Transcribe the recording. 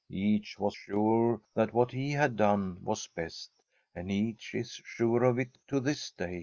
Each was sure that what he had done was best, and each is sure of it to this day.